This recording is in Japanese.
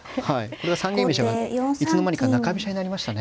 これは三間飛車がいつの間にか中飛車になりましたね。